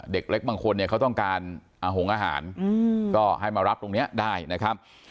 เด็กเล็กบางคนเนี่ยเขาต้องการหงอาหารก็ให้มารับตรงนี้ได้นะครับ